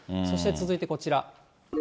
そして続いてこちら。